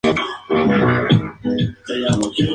La capital del distrito recae sobre la ciudad de Fulda.